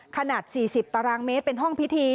ขนาด๔๐ตารางเมตรเป็นห้องพิธี